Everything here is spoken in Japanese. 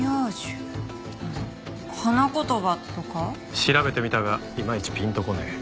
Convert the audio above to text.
調べてみたがいまいちピンと来ねえ。